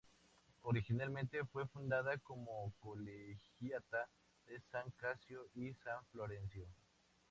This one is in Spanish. Originalmente fue fundada como colegiata de San Casio y San Florencio.